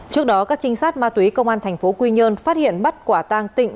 trước đó các trinh sát ma túy công an tp quy nhơn phát hiện bắt quả tang tịnh